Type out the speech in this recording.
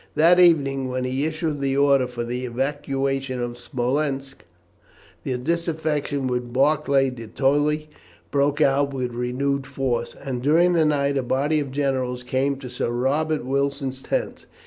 That evening, when he issued the order for the evacuation of Smolensk, the disaffection with Barclay de Tolly broke out with renewed force, and during the night a body of generals came to Sir Robert Wilson's tent.